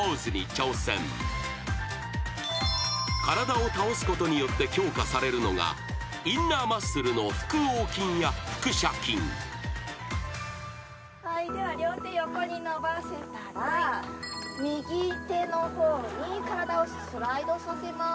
［体を倒すことによって強化されるのがインナーマッスルの腹横筋や腹斜筋］では両手横に伸ばせたら右手の方に体をスライドさせます。